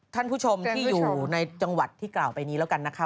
ท่านผู้ชมที่อยู่ในจังหวัดที่กล่าวไปนี้แล้วกันนะคะ